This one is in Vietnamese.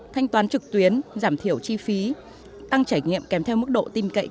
thanh toán trực tuyến giảm thiểu chi phí tăng trải nghiệm kèm theo mức độ tin cậy cao